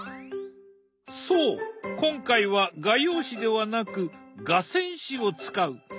そう今回は画用紙ではなく画仙紙を使う。